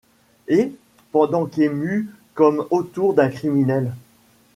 Et, pendant qu'émus comme autour d'un criminel